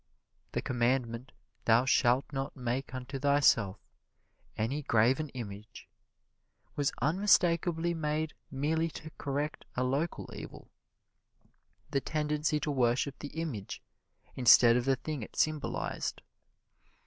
The commandment, "Thou shalt not make unto thyself any graven image," was unmistakably made merely to correct a local evil: the tendency to worship the image instead of the thing it symbolized.